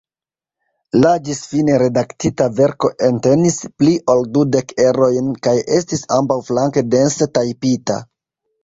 La ĝisfine redaktita verko entenis pli ol dudek erojn kaj estis ambaŭflanke dense tajpita.